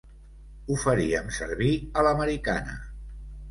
Ho faríem servir a l'americana.